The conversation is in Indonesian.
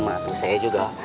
maksud saya juga